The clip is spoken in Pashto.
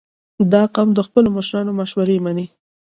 • دا قوم د خپلو مشرانو مشورې منې.